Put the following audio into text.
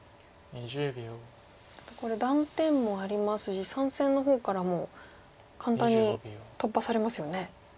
これ断点もありますし３線の方からも簡単に突破されますよね。